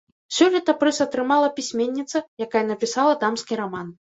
Сёлета прыз атрымала пісьменніца, якая напісала дамскі раман.